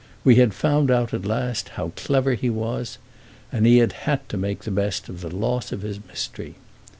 We had found out at last how clever he was, and he had had to make the best of the loss of his mystery.